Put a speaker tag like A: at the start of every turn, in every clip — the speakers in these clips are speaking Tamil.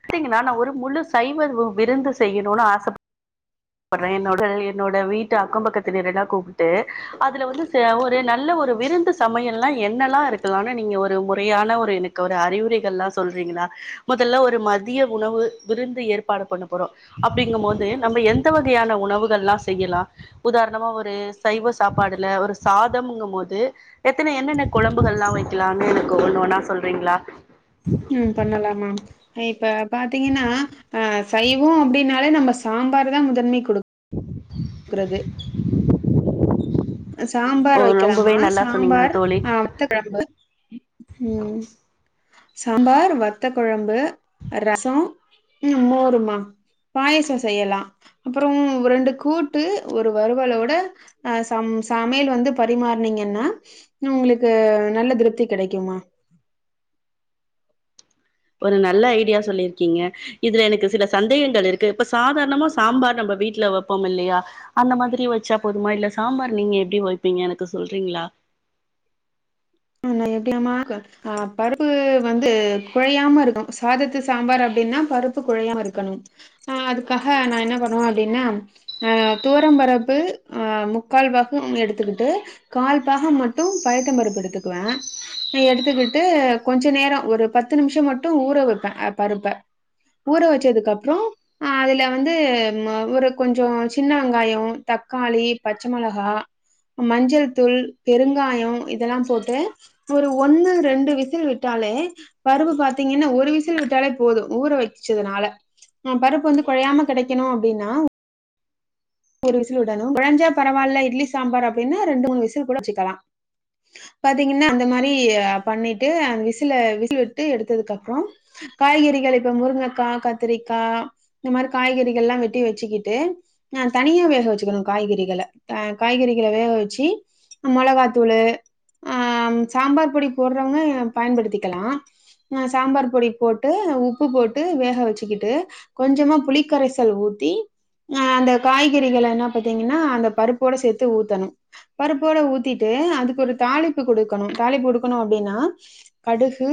A: வுத்தீங்கன்னா நா ஒரு முழு சைவ விருந்து செய்யணுன்னு ஆசைப்ப பட்றே என்னோட என்னோட வீட் டு அக்கம் பக்கத்து வீடெயெல்லா கூப்பிட்டு அதுல வந்து ஒரு நல்ல ஒரு விருந்து சமையல் னா என்னல்லா இருக்கலான்னு நீங்க ஒரு முறையான ஒரு எனக்கு ஒரு அறிவுரைகள் எல்லா சொல்றீங்களா மொதல்ல ஒரு மதிய உணவு விருந்து ஏற்பாடு பண்ண போறோ அப்பிடிங்கும்போது நம்ம எந் த வகையான உணவுகள் எல்லா செய்யலா உதாரணமா ஒரு சைவ சாப்பாடுல ஒரு சாதம்ங்கும் போது எத்தன என்னென்ன கொழம்புகள் லா வைக்கலான்னு எனக்கு ஒண்னொன்னா சொல்றீங்களா
B: ம் பண்ணலாமா இப்ப பாத்தீங்கன்னா அஹ் சைவ அப்படின்னாலே நம்ம சாம்பார் தா முதன்மை குடுக்
A: உ
B: க்கிறது
A: ஓ
B: சாம்பார்
A: ரொம்பவே
B: வைக்கலாமா
A: நல்லா சொன்னீங்க
B: சாம்பார்
A: தோழி
B: ஆஹ் வத்தகொழம்பு உம் சாம்பார் வத்த கொழம்பு ரச உம் மோருமா பாயச செய்யலா அப்புற ரெண்டு கூட்டு ஒரு வருவலோட அஹ் ச சமையல் வந்து பரிமாறுனீங்கன்னா உங்களுக்கு நல்ல திருப்தி கிடைக்குமா
A: ஒரு நல்ல ஐடியா சொல்லிருக்கீங்க இதுல எனக்கு சில சந்தேகங்கள் இருக்கு இப்ப சாதாரணமா சாம்பார் நம்ம வீட்டுல வப்போம் இல்லையா அந்த மாதிரி வச்சா போதுமா இல்ல சாம்பார் நீங்க எப்டி வைப்பீங்க எனக்கு சொல்றீங்களா
B: ஆ எப்படினா ஆஹ் பருப்பு வந்து குழையாம இருக்கணு சாதத்து சாம்பார் அப்படின்னா பருப்பு குழையாம இருக்கணு ஆஹ் அதுக்காக நா என்ன பண்ணுவ அப்படின்னா தோரம் பருப்பு அஹ முக்கால் பாகம் எடுத்துக்கிட்டு கால் பாக மட்டு பயத்தம் பருப்பு எடுத்துக் குவ எடுத்துக்கிட்டு கொஞ்ச நேர ஒரு பத்து நிமிஷ மட்டு ஊற வைப்பே பருப்ப ஊற வச்சதுக்குப்புற அதுல வந்து ஒரு கொஞ்ச சின்ன வெங்காய தக்காளி பச்ச மிளகா மஞ்சள் தூள் பெருங்காய இதெல்லா போட் டு ஒரு ஒண்ணு ரெண்டு விசில் விட்டாலே பருப்பு பாத்தீங்கன்னா ஒரு விசில் விட்டாலே போதும் ஊற வச்சதனால ஆஹ் பருப்பு வந்து குழையாம கெடைக்கணு அப்படின்னா ஒரு விசில் விடணு கொழஞ்சா பரவால்ல இட்லி சாம்பார் அப்படின்னா ரெண்டு மூணு விசில் கூட வச்சுக்கலா பாத்தீங்கன்னா அந்த மாதிரி பண்ணிட்டு அந்த விசில விசில் விட்டு எடுத்ததுக்கு அப்புற காய்கறிகள் இப்ப முருங்கைக்கா கத்திரிக்கா இந்த மாதிரி காய்கறிகள்ளா வெட்டி வச்சுக்கிட்டு நா தனியா வேக வச்சுக்கணு காய்கறிகள காய்கறிகள வேக வச்சு மொளகாத்தூளு ஆ சாம்பார் பொடி போடறவங்க பயன்படுத்திக்கலா சாம்பார் பொடி போட்டு உப்பு போட்டு வேக வச்சுக்கிட்டு கொஞ்சமா புளிக்கரைசல் ஊத்தி அந்த காய்கறிகள என்னா பாத்தீங்கன்னா அந்த பருப்போட சேத்து ஊத்தணு பருப்போட ஊத்திட்டு அதுக் ஒரு தாளிப்பு கொடுக்கணு தாளிப்பு குடுக்கணு அப்படின்னா கடுகு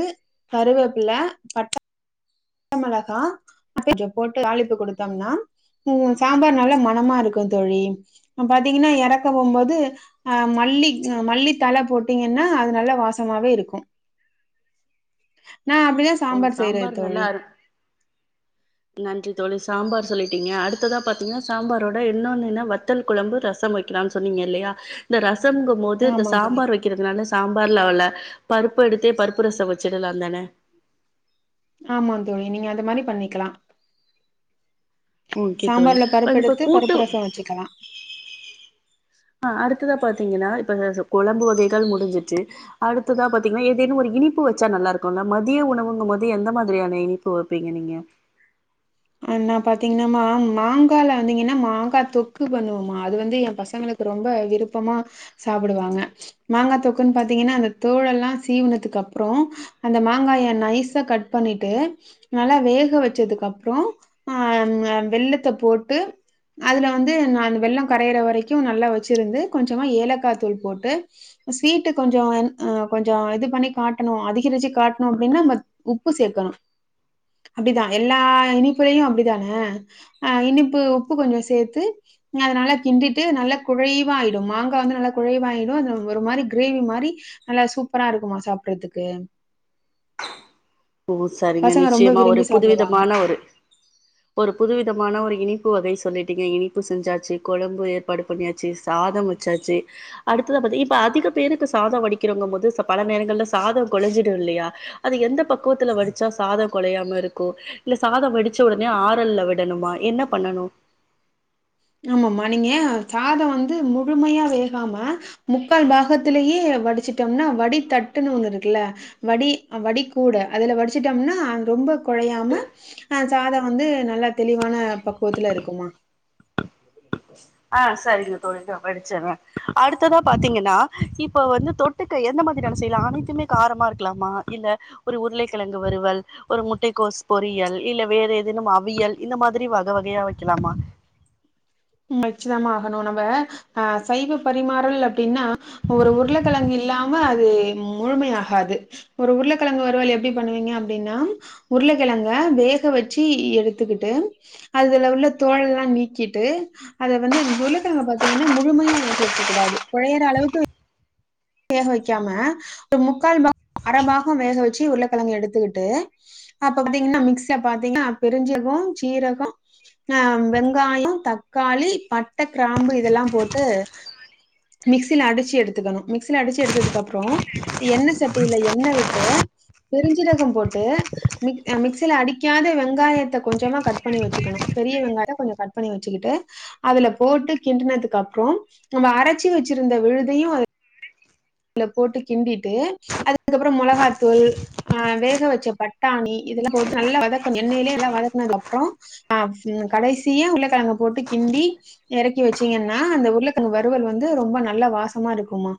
B: கருவேப்பில பச்சமொளகா போட்டு தாளிப்பு குடுத்தம்னா உ சாம்பார் வ நல்ல மனமா இருக்கு தோழி பாத்தீங்கன்னா எறக்க போகும்போது அஹ மல்லி மல்லி தலை போட்டீங்கன்னா அது நல்ல வாசமாவே இருக்கு நா அப்டிதா
A: ஓ
B: செய்யறது
A: சாம்பார் நல்லா
B: தோழி
A: இரு நன்றி தோழி சாம்பார் சொல்லி பீங்க அடுத்ததா பாத்தீங்னா சாம்பாரோட இன்னொன்னுனா வத்தல் குழம்பு ரசம் வெக்கலானு சொன்னீங்க இல்லையா இந்த ரஸ் சோங்க போது இந்த
B: ஆமா தோழி
A: சாம்பார் வெக்கிறதுனால சாம்பார்லவுள பருப்பு எடுத்தே பருப்பு ரசோ வச்சிடலாந்தானே
B: ஆமா தோழி நீங்க அந்த மாரி பண்ணிக்லா
A: ஓகே தோழி அத் இப்ப கூட்டு
B: ரசோ வச்சுக்கலா
A: ஆ அடுத்ததா பாத்தீங்கன்னா இப்ப கொழம்பு வகைகள் முடிஞ்சிச்சு அடுத்ததா பாத்தீங்னா ஏதேனூ ஒரு இனிப்பு வச்சா நல்லாருக்கூல மதிய உணவுங்கும்போது எந்த மாத்ரியான இனிப்பு வெப்பீங்க நீங்க
B: ஆ நா பாத்தீங்னா மா மாங்கால வந்தீங்கன்னா மாங்கா தொக்கு பண்ணுவோமா அது வந்து ஏ பசங்களுக்கு ரொம்ப விருப்பமா சாப்டுவாங்க மாங்கா தொக்குன் பாத்தீங்னா அந்த தோலல்லா சீவுனதுக்கப்றோ அந்த மாங்காய நைஸா கட் பண்ணிட்டு நல்லா வேக வச்சதுக்கப் ப்றோ ஆ ம வெல்லத்த போட்டு அதுல வந்து அந்த வெல்லோ கரையிற வரைக்கூ நல்லா வச்சிருந்து கொஞ்சமா ஏலக்கா தூள் போட்டு ஸ்வீட்டு கொஞ்சோ ஆன் அ கொஞ்சோ இது பண்ணி காட்டணூ அதிகரிச்சு காட்டணூ அப்டின்னா பட் உப்பு சேக்கணூ அப்டிதா எல்லா இனிப்புலயூ அப்டிதானே ஆ இனிப்பு உப்பு கொஞ்சோ சேத்து அத நல்லா கிண்டிட்டு நல்லா குழைவா ஆயிடூ மாங்கா வந்து நல்லா குழைவா ஆயிடூ அது ஒரு மாரி கிரேவி மாரி நல்லா சூப்பரா இருக்குமா சாப்பிட்றதுக்கு
A: ஓ சரிங்க நிச்சயமா ஒரு
B: சாப்பிடுவாங்க.
A: புதுவிதமான ஒரு ஒரு புது விதமான ஒரு இனிப்பு வகை சொல்லிட்டீங்க இனிப்பு செஞ்சாச்சு கொழம்பு ஏற்பாடு பண்ணியாச்சு சாதம் வச்சாச்சு அடுத்தது பாத்தீங்க இப்ப அதிக பேருக்கு சாதோ வடிக்கிறவங்க போது பல நேரங்கலா சாதோ கொழஞ்சிடூல்லையா அது எந்த பக் குவத்துல வடிச்சா சாதோ கொழேயாம இருக்கூ இல்ல சாதோ வடிச்சோனே ஆறல்ல விடணுமா என்ன பண்ணணூ
B: ஆமாமா நீங்க சாதோ வந்து முழுமையா வேகாம முக்கால் பாகத்திலேயே வடிச்சிட்டோனா வடி தட்டுன்னு ஒன்னுருக்குல்ல வடி வடி கூட அதுல வடிச்சுட்டோம்னா ரொம்பக் கெழையாம ஆ சாதோ வந்து ந ல்லா தெளிவான பக்குவத்துலருக் குமா
A: ஆ செரிங்க தோழி வடிச்சிர்றே அடுத்ததா பாத்தீங்கன்னா இப்ப வந்து தொட்டுக்க எந்த மாத்ரி நா செய்யலா அனைத்துமே காரமா இருக்கலாமா இல்ல ஒரு உருளைக்கிழங்கு வறுவல் ஒரு முட்டை கோஸ் பொரியல் இல்ல வேற எதேனும் அவியல் இந்த மாத்ரி வக வகையா வெக்கலாமா
B: வச்சிதாமா ஆகணூ நம்ம ஆ சைவ பரிமாறல் அப்டின்னா ஒரு உருளைக்கிழங்கு இல்லாம அது முழுமையகாது ஒரு உருளைக்கிழங்கு வறுவல் எப்டி பண்ணுவீங்க அப்டின்னா உருளக்கிழங்க வேக வச்சு எடுத்துக்கிட்டு அதுல உள்ள தோல் எல்லா நீக்கிட்டு அத வந்து துலுக்கங்கா பாத்தீங்னா முழுமையா வேக வெக்கக் கூடாது கொழையறளவுக்கு வேக வேக்காம ஒரு முக்கால் பாகோ அரபாகோ வேக வச்சு உருளக்கெழங்கு எடுத்து விட்டு அப்ப பாத்தீங்னா மிக்ஸ பாத்தீங்னா பெருஞ்சிர்கோ சீரகோ ஆ வெங்காயோ தக்காளி பட்ட கிராம்பு இதல்லா போட்டு மிக்சில அடிச்சு எடுத்துக்கணு மிக்சில அடிச்சு எடுத்ததுக்கு அப்றோ எண்ணெ சட்டியில எண்ணெ விட்டு பெரிஞ்சீரகோ போட்டு மிக் மிக்சில அடிக்காத வெங்காயத்த கொஞ்சமா கட் பண்ணி வச்சுக்கணு பெரிய வெங்காயோ கொஞ்சமா கட் பண்ணி வச்சுக்கிட்டு அதுல போட்டு கிண்டுனதுக்கு அப்றோ நம்ம அரச்சி வச்சிருந்த விழுதையூ த்ல போட்டு கிண்டிட்டு அதுக்கப்றோ மொளகாத்தூள் ஆ வேக வச்ச பட்டாணி இதெல்லா போட்டு நல்லா வதக்கணூ எண்ணெயிலயே எல்லா வதக்னதுக்கப்றோ ஆ கடைசியா உருளக்கெழங்க போட்டு கிண்டி எறக்கி வச்சீங்னா அந்த உருளக்கெழங்கு வறுவல் வந்து ரொம்ப நல்ல வாசமா இருக்குமா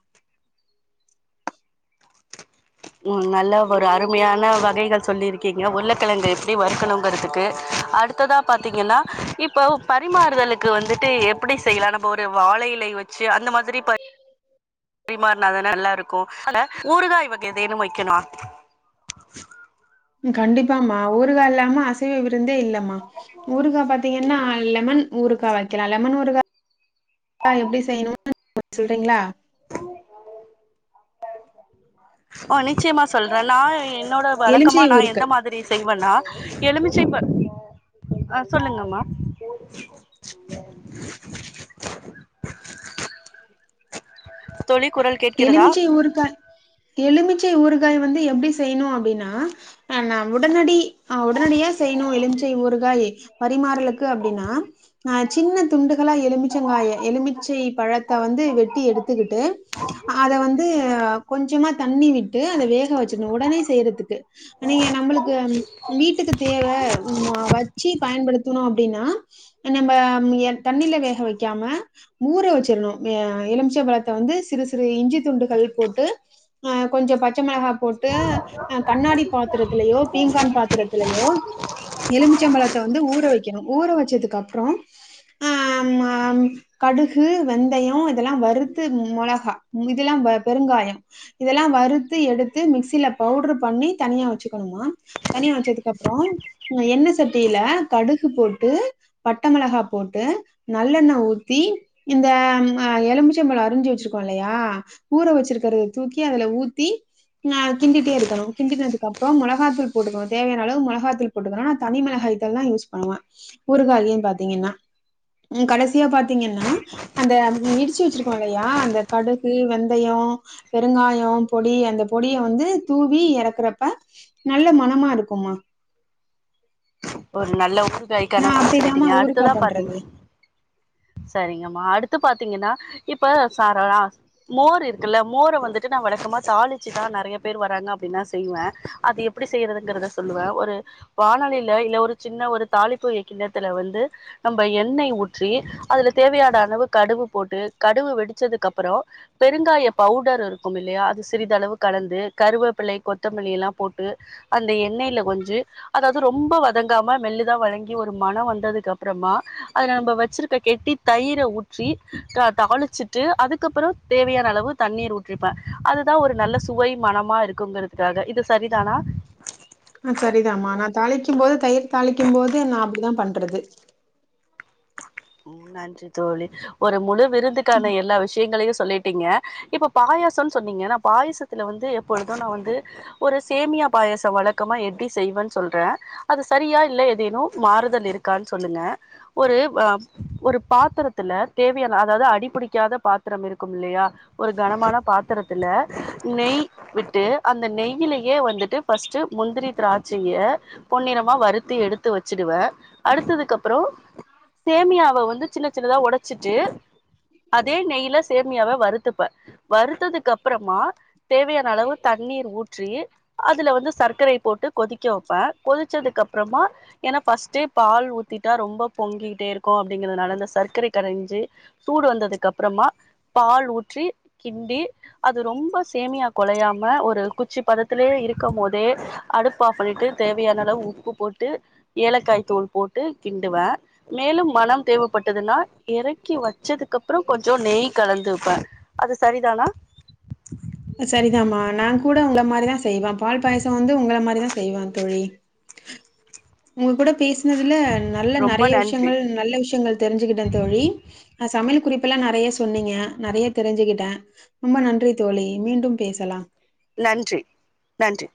A: ம் நல்லா ஒரு அருமையான வகைகள் சொல்லிருக்கீங்க உர்ளக்கெழங்கு எப்டி வறுக்கணுங்கிறதுக்கு அடுத்ததா பாத்தீங்கன்னா இப்ப பரிமாறுதலுக்கு வந்துட்டு எப்டி செய்யலா நம்ம ஒரு வாழையிலை வச்சு அந்த மாத் த்ரி ப ரிமாறினாதானே நல்லாருக்கூ அல்ல ஊறுகாய் வகை வேணூ வெக்கனா
B: கண்டிப்பாமா ஊறுகா இல்லாம அசைவ விருந்தே இல்ல மா ஊறுகா பாத்தீங்கன்னா லெமன் ஊறுகா வெக்கலா லெமன் ஊறுகா ஈ எப்டி செய்யணூ [inaudible] சொல்றீங்ளா
A: ஆ நிச்சயமா சொல் நா என்னோட வழக்கமா
B: எலுமிச்சை
A: நா எந்த
B: ஊறுகாய்
A: மாத்ரி செய் வன்னா எலுமிச்சை ப ஆ சொல்லுங்கம்மா தோழி குரல் கேட்கிறதா
B: எலுமிச்சை ஊறுகா எலுமிச்சை ஊறுகாய் வந்து எப்படி செய்யணூ அப்டின்னா அ நா உடனடி ஆ உடனடியா செய்யணூ எலிமிச்சை ஊறுகாய் பரிமாறலுக்கு அப்டின்னா ஆ சின்னத்துண்டு நல்லா எலுமிச்சங்காய எலுமிச்சை பழத்த வந்து வெட்டி எடுத்துக்கிட்டு வந்து கொஞ்சமா தண்ணி விட்டு அத வேக வெச்சணு உடனே செய்யறதுக்கு ஆனா எ நம்மளுக்கு வீட்டுக்கு தேவ வெச்சு பயன்படுத்தணு அப்படினா நம்ம தண்ணில வேக வைக்காம ஊற வெச்சிருணு எலுமிச்ச பழத்த வந்து சிறுசு சிறு இஞ்சி துண்டுகள் போட்டு கொஞ்சோ பச்ச மிளகா போட்டு கண்ணாடி பாத்திரத்துலயோ பீங்கான் பாத்திரத்திலயோ எலுமிச்சம்பழத்த வந்து ஊற வெக்கணு ஊற ஊற வெச்சதுக்குப்பறோ அ ம் கடுகு வெந்தயோ இதெல்லா வறுத்து மொளகா இதெல்லா பெருங்காயோ இதெல்லா வறுத்து எடுத்து மிக்சில பவுடர் பண்ணி தனியா வெச்சுக்கணுமா தனியா வெச்சதுக்கு அப்புறோ எண்ணெ சட்டியில கடுகு போட்டு பட்ட மிளகா போட்டு நல்லெண்ண ஊத்தி இந்த எலுமிச்சம்பழோ அரிஞ்சு வெச்சிருக்கோல்ல இல்லையா ஊற வெச்சிருக்கிறத தூக்கி அதுல ஊத்தி கிண்டிட்டே இருக்கணு கிண்டினதுக்குப்புறோ மோளகாத்தூள் போட்டுக்கணு தேவயான அளவு மோளகாத்தூள் போட்டுக்கணு நா தனி மிளகாயத்தூள்தா யூஸ் பண்ணுவ ஊருகாயனு பாத்தீங்கன்னா கடைசியா பாத்தீங்கன்னா அந்த இடிச்சு வெச்சிருக்கோல்லயா கடுகு வெந்தயோ பெருங்காயோ பொடி அந்த பொடிய வந்து தூவி இறக்கிறப்ப நல்ல மனமா இருக்குமா
A: ஒரு நல்ல ஊ றுகாய்கான அளவு சொல்லிட்டீங்க
B: ஊறுகா
A: அடுத்ததா பாத்தீங்க
B: பண்றது.
A: சரிங்கம்மா அடுத்து பாத்தீங்கன்னா இப்ப சார மோர் இருக்குல்ல மோர வந்துட்டு நா வழக்கமா தாளிச்சுதா நெறய பேர் வர்ராறங்க அப்படினா செய்வ அது எப்படி செய்யறதுங்கிறத சொல்லுவ ஒரு வானலிய ல ஒரு சின்ன ஒரு தாலிப்பு கிண்ணத்தில வந்து நம் எண்ணெய் ஊற்றி அதுல தேவயான அளவு கடுவு போட்டு கடுவு வெடிச்சதுக்கு அப்புறோ பெருங்காய பவுடர் இருக்குமில்லயா அது சிறிதளவு கலந்து கருவேப்பிள்ளை கொத்தமல்லி எல்லாம் போட்டு அந்த எண்ணெய்ல கொஞ்சு அதாவது ரொம்ப வதங்காம மெல்லுதா வழங்கி ஒரு மனம் வந்ததுக்கு அப்புறமா அத நம்ம வச்சிருக்க கெட்டி தயிரை ஊற்றி தாளிச்சிட்டு அதுக்கப்புறோ தேவையான அளவு தண்ணீர் ஊற்றிப்ப அதுதா ஒரு நல்ல சுவை மனமா இருக்குங்கிறதுக்காக இது சரிதானா
B: ஆஹ் சரிதாமா நா தாளிக்கும்போது தயிர் தாளிக்கும்போது நா அப்படிதா பண்றது
A: உம் நன்றி தோழி ஒரு முழு விருந்துக்கான எல்லா விஷ்ய யங்களையு சொல்லிட்டீங்க இப்ப பாயசோனு சொன்னீங்க நா பாயசத்துல வந்து எப்பொழுது நா வந்து ஒரு சேமியா பாயசோ வழக்கமா எப்படி செய்வனு சொல்ற அது சரியா இல்லை ஏதேனு மாறுதல் இருக்கானு சொல்லுங்க ஒரு ஒரு பாத்திரத்துல தேவையான அதாவது அடிபிடிக்காத பாத்திரம் இருக்குமில்லயா ஒரு கனமான பாத்திரத்துல நெய் விட்டு அந்த நெய்யிலயே வந்துட்டு ஃபஸ்டு முந்திரி திராட்சய பொன்னிறமா வறுத்தி எடுத்து வெச்சுடுவ அடுத்ததுக்கு அப்புறோ சேமியாவ வந்து சின்ன சின்னதா உடைச்சிட்டு அதே நெய்ல சேமியாவ வறுத்துப்ப வறுத்ததுக்கு அப்புறமா தேவையான அளவு தண்ணீர் ஊற்றி அதில வந்து சர்க்கரைய போட்டு கொதிக்க வெப்ப கொதிச்சதுக்கப்புறமா ஏனா ஃபர்ஸ்ட்டே பால் ஊத்திட்டா ரொம்ப பொங்கிகிட்டே இருக் கு அப்படிங்கிறதுனால இந்த சர்க்கரை கரைஞ்சி சூடு வந்ததுக்கு அப்புறமா பால் ஊற்றி கிண்டி அது ரொம்ப சேமியா குலையாம ஒரு குச்சி பதத்திலயே இருக்கும்போதே அடுப்ப ஆஃப் பண்ணிட்டு தேவையான அளவு உப்பு போட்டு ஏலக்காய் தூள் போட்டு கிண்டுவ மேலும் மனம் தேவைப்பட்டதுனா இறக்கி வெச்சதுக்கு அப்புறோ கொஞ்சோ நெய் கலந்துப்ப அது சரிதானா
B: சரிதாமா நான் கூட உங்கள மாதிரிதா செய்வ பால் பாயிசோ வந்து உங்களள மாதிரிதா செய்வந் தோழி உங்க கூட பேசி னதுல நல்ல
A: ரொம்ப
B: நெறய
A: நன்றி
B: விஷ்யங்கள் நல்ல விஷ்யங்கள் தெரிஞ்சுக்கிட்டந் தோழி அ சமையல் குறிப்பெல்லா நெறயா சொன்னீங்க நெறயா தெரிஞ்சுக்கிட்ட ரொம்ப நன்றி தோழி மீண்டும் பேசலாம்
A: நன்றி நன்றி